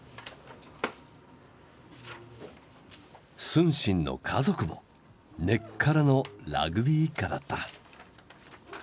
承信の家族も根っからのラグビー一家だった。